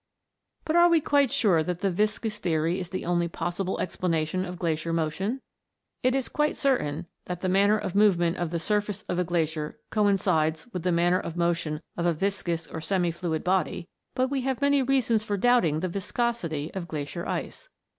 But are we quite sure that the viscous theory is the only possible explanation of glacier motion? It is quite certain " that the manner of movement of the surface of a glacier coincides with the manner of motion of a viscous or semi fluid body," but we have many reasons for doubting the viscosity of glacier ice.